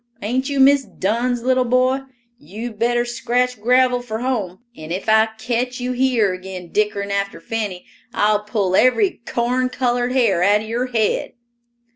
Ain't you Miss Dunn's little boy? You'd better scratch gravel for home, and if I catch you here again dickerin' after Fanny, I'll pull every corn colored hair out of your head!"